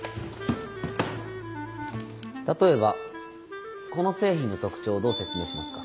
例えばこの製品の特徴をどう説明しますか？